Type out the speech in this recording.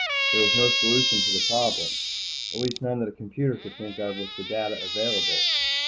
There was no solution to the problem, at least none that a computer could think of with the data available.